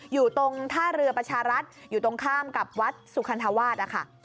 อยู่ตรงท่าเรือประชารัฐอยู่ตรงข้ามกับวัดสุคันธวาสนะคะ